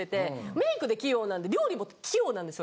メイクで器用なんで料理も器用なんですよ